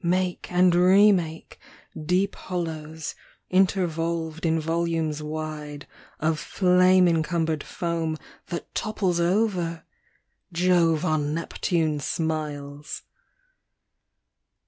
Make and remake deep hollows, intervolved In volumes wide of flame encumber'd foam That topples over ! Jove on Neptune smiles